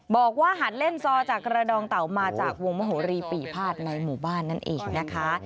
บอกว่าหันเล่นซอจากกระดองเต่ามาจากวงมโหรีปีภาษณ์ในหมู่บ้านนั่นเองนะคะ